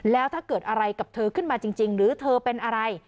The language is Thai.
แล้วถ้าเกิดอะไรกับเธอขึ้นมาจริงหรือเธอเป็นอะไร